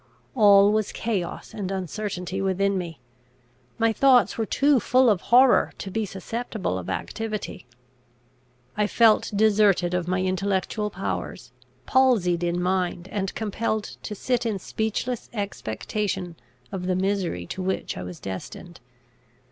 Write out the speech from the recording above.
All was chaos and uncertainty within me. My thoughts were too full of horror to be susceptible of activity. I felt deserted of my intellectual powers, palsied in mind, and compelled to sit in speechless expectation of the misery to which I was destined.